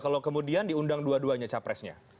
kalau kemudian diundang dua duanya capresnya